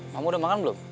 mama udah makan belum